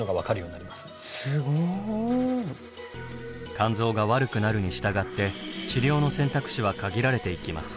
肝臓が悪くなるに従って治療の選択肢は限られていきます。